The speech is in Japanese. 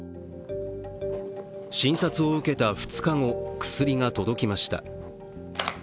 診察を受けた２日後、薬が届きました。